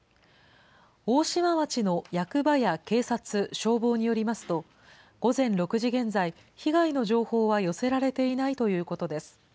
大島町の役場や警察、消防によりますと、午前６時現在、被害の情報は寄せられていないということです。